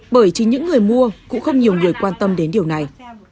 bởi chỉ những người mua cũng không nhiều người quan tâm đến điều này